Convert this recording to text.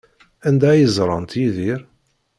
Anda ay ẓrant Yidir?